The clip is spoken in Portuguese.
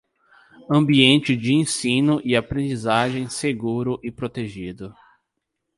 Ambiente de ensino e aprendizagem seguro e protegido